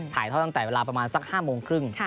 ถ่ายทอดตั้งแต่เวลาประมาณสัก๕โมงครึ่ง